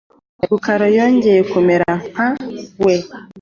Rukara yongeye kumera nka we.